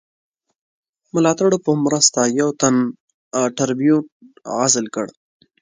ملاتړو په مرسته یو تن ټربیون عزل کړ.